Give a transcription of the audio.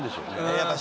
やっぱり。